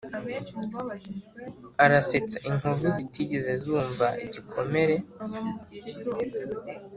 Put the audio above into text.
arasetsa inkovu zitigeze zumva igikomere.